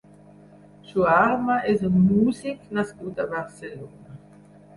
Shuarma és un músic nascut a Barcelona.